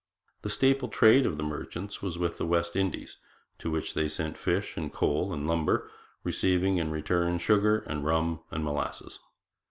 The staple trade of the merchants was with the West Indies, to which they sent fish and coal and lumber, receiving in return sugar and rum and molasses.